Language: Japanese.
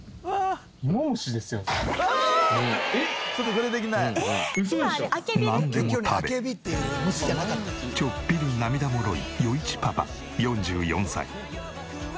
ちょっぴり涙もろい余一パパ４４歳。